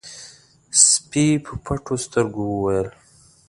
سپي په پټو سترګو وويل: